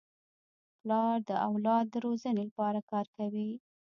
پلار د اولاد د روزني لپاره کار کوي.